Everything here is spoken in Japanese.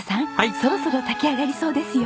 そろそろ炊き上がりそうですよ。